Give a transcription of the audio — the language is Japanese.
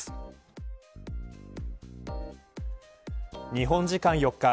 日本時間４日